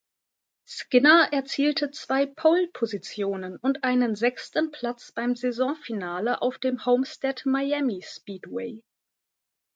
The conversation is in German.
Skinner erzielte zwei Pole-Positionen und einen sechsten Platz beim Saisonfinale auf dem Homestead-Miami Speedway.